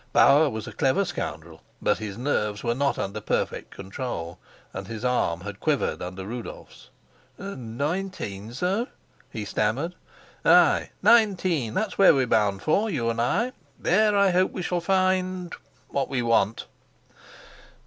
Bauer was a clever scoundrel, but his nerves were not under perfect control, and his arm had quivered under Rudolf's. "Nineteen, sir?" he stammered. "Ay, nineteen. That's where we're bound for, you and I. There I hope we shall find what we want."